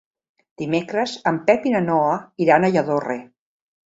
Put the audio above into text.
Dimecres en Pep i na Noa iran a Lladorre.